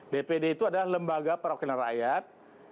dpd itu adalah lembaga perwakilan rakyat